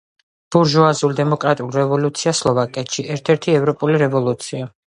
ბურჟუაზიულ-დემოკრატიული რევოლუცია სლოვაკეთში, ერთ-ერთი ევროპული რევოლუცია.